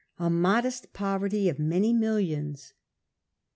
A modest poverty of many millions